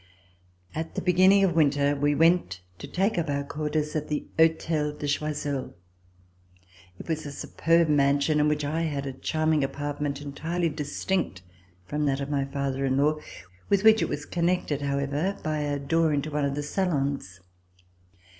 At the beginning of winter we went to take up our quarters at the Hotel de Choiseul. It was a superb mansion, in which I had a charming apart ment entirely distinct from that of my father in law, with which it was connected, however, by a door into one of the salons.